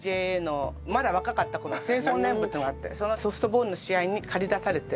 まだ若かった頃青壮年部っていうのがあってそのソフトボールの試合に駆り出されて。